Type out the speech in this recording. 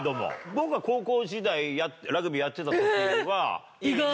僕は高校時代ラグビーやってた時には。